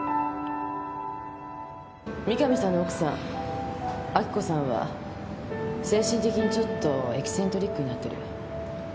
三神さんの奥さん亜希子さんは精神的にちょっとエキセントリックになってる。